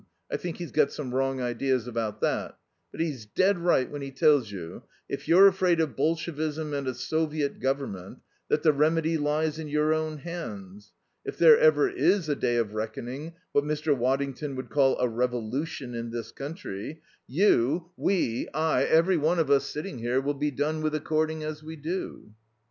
I think he's got some wrong ideas about that. But he's dead right when he tells you, if you're afraid of Bolshevism and a Soviet Government, that the remedy lies in your own hands. If there ever is a day of reckoning, what Mr. Waddington would call a revolution in this country, you, we, ay, everyone of us sitting here, will be done with according as we do."